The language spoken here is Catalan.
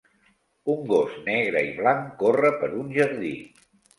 Un gos negre i blanc corre per un jardí.